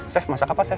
chef masak apa chef